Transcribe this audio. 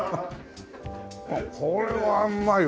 これはうまいわ。